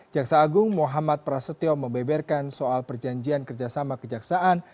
jaksa agung muhammad prasetyo membeberkan soal perjanjian kerjasama kejaksaan